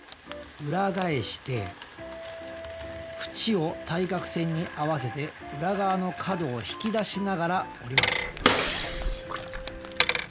裏返してふちを対角線に合わせて裏側の角を引き出しながら折ります。